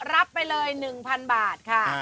รับไปเลย๑๐๐๐บาทค่ะ